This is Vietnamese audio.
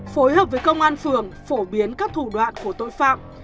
phối hợp với công an phường phổ biến các thủ đoạn của tội phạm